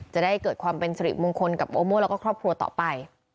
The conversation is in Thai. จะได้เกิดความเป็นสิริมงคลกับโอโม่แล้วก็ครอบครัวต่อไป